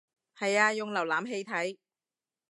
係啊用瀏覽器睇